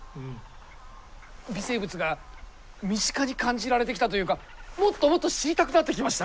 微生物が身近に感じられてきたというかもっともっと知りたくなってきました。